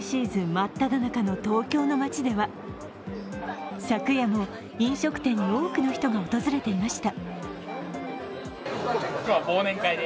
真っただ中の東京の街では、昨夜も飲食店に多くの人が訪れていました。